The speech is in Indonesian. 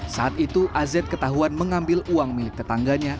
saat itu az ketahuan mengambil uang milik tetangganya